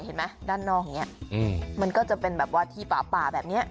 เห็นไหมด้านนอกอย่างนี้มันก็จะเป็นแบบว่าที่ป่าป่าแบบนี้